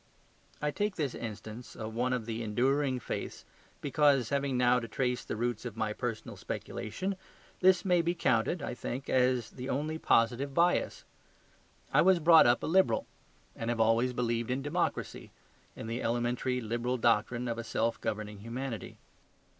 I take this instance of one of the enduring faiths because, having now to trace the roots of my personal speculation, this may be counted, I think, as the only positive bias. I was brought up a Liberal, and have always believed in democracy, in the elementary liberal doctrine of a self governing humanity.